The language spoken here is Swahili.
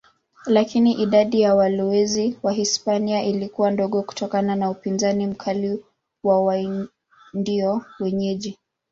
Lakini idadi ya walowezi Wahispania ilikuwa ndogo kutokana na upinzani mkali wa Waindio wenyeji.